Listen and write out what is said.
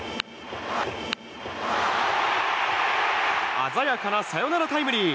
あざやかなサヨナラタイムリー！